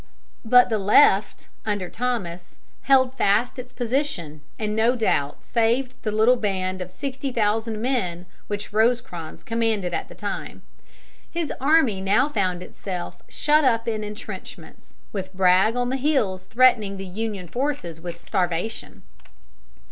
But the left, under Thomas, held fast its position, and no doubt saved the little band of sixty thousand men which Rosecrans commanded at the time. His army now found itself shut up in intrenchments, with Bragg on the hills threatening the Union forces with starvation.